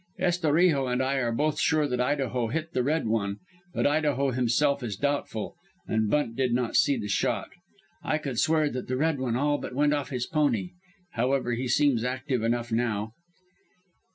Estorijo and I are both sure that Idaho hit the Red One, but Idaho himself is doubtful, and Bunt did not see the shot. I could swear that the Red One all but went off his pony. However, he seems active enough now.